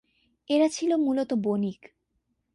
এরা ছিল মূলত বণিক।